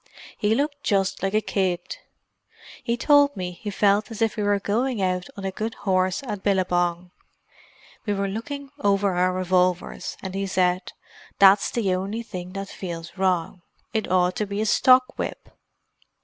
He looked just like a kid. He told me he felt as if he were going out on a good horse at Billabong. We were looking over our revolvers, and he said, 'That's the only thing that feels wrong; it ought to be a stock whip!